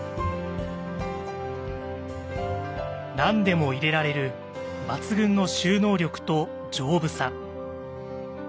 何でも入れられる抜群の収納力と丈夫さ。